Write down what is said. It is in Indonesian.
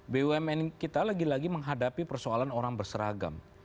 bumn kita lagi lagi menghadapi persoalan orang berseragam